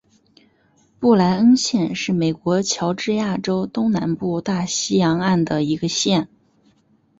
布赖恩县是美国乔治亚州东南部大西洋岸的一个县。